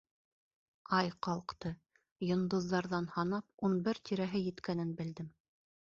Ай ҡалҡты, йондоҙҙарҙан һанап, ун бер тирәһе еткәнен белдем.